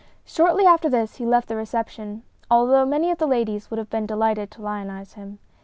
Shortly after this he left the reception, although many of the ladies would have been delighted to lionize him.